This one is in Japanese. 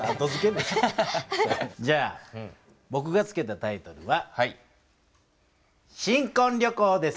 じゃあぼくが付けたタイトルは「新こん旅行」です。